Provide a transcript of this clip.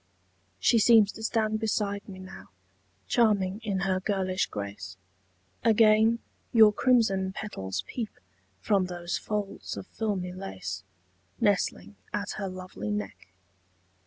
She seems to stand beside me now, Charming in her girlish grace; Again your crimson petals peep From those folds of filmy lace Nestling at her lovely neck.